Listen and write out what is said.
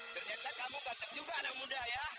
ternyata kamu banteng juga anak muda ya